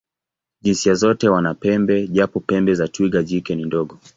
Jinsia zote wana pembe, japo pembe za twiga jike ni ndogo.